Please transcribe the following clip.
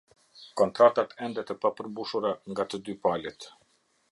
Kontratat ende të papërmbushura nga të dy palët.